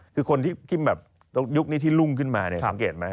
คือคนที่แบบยุคนี้ที่รุ่งขึ้นมาเนี่ยสังเกตไหม